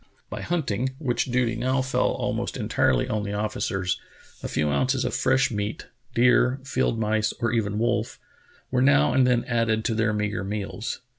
By hunting, which duty now fell almost entirely on the officers, a few ounces of fresh meat — deer, field mice, or even wolf — were now and then added to their meagre meals.